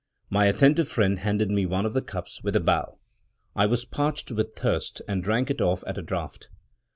My attentive friend handed me one of the cups with a bow. I was parched with thirst, and drank it off at a draught.